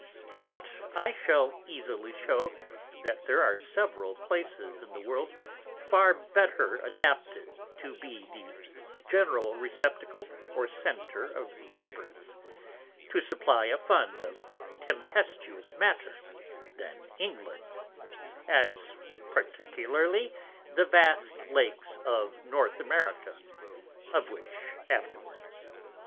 But I shall easily show, that there are several Places in the World far better adapted to be the General Receptacle or Centre of Vapours, to supply a Fund of Tempestuous Matter, than England; as particularly the vast Lakes of North America: Of which afterwards.